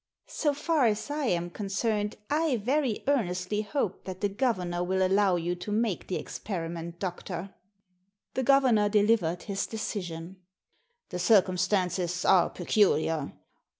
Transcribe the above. " So far as I am concerned I very earnestly hope that the governor will allow you to make the ex periment, doctor." The governor delivered his decision. "The circumstances are peculiar.